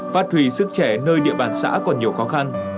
phát hủy sức trẻ nơi địa bàn xã còn nhiều khó khăn